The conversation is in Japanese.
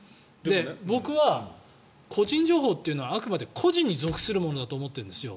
僕は個人情報というのはあくまで個人に属するものだと思っているんですよ。